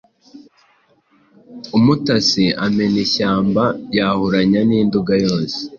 Umutasi amena ishyamba yahuranya i Nduga yose